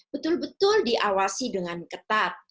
betul betul diawasi dengan ketat